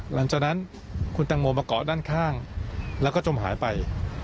หลังจากนั้นคุณตังโมมาเกาะด้านข้างแล้วก็จมหายไป